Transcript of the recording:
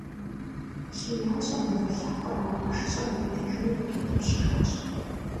ХеящӀэм мывэ лъапӀэр мэкъумэшыщӀэм иритыжри къиутӀыпщыжащ.